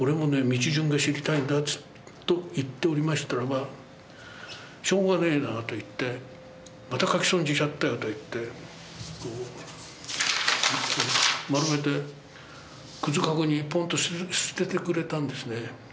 道順が知りたいんだ」と言っておりましたらば「しょうがねえなまた描き損じちゃったよ」と言ってこう丸めてくず籠にポンと捨ててくれたんですね。